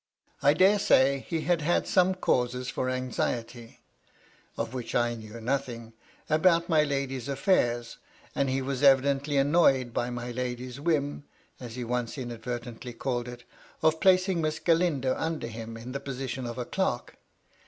I dare say, he had had some causes for anxiety (of which I knew nothing) about my lady's aflFairs; and he was evidently annoyed by my lady's whim (as he once inadvertently called it) of placmg Miss Galindo under him in the position of a clerk.